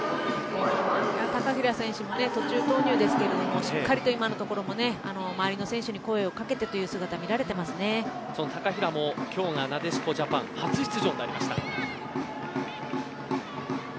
高平選手も途中投入ですけれどもしっかりと今のところも周りの選手に声をかけてという姿その高平も今日がなでしこジャパン初出場になりました。